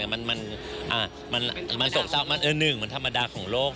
มันหนึ่งมันธรรมดาของโลก